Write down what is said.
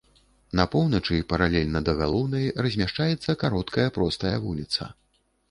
На поўначы, паралельна да галоўнай размяшчаецца кароткая простая вуліца.